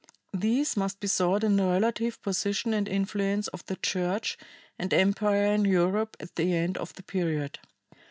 These must be sought in the relative position and influence of the Church and empire in Europe at the end of the period.